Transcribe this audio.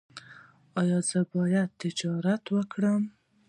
ایا زه باید تجارت وکړم؟